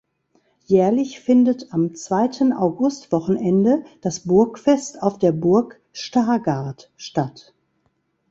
Jährlich findet am zweiten August-Wochenende das Burgfest auf der Burg Stargard statt.